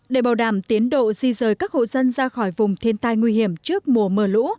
để bảo đảm tiến độ di rời các hộ dân ra khỏi vùng thiên tai nguy hiểm trước mùa mưa lũ